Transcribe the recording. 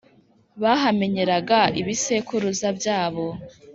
bahamenyeraga ibisekuruza byabo